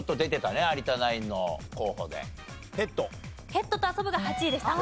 ペットと遊ぶが８位でした。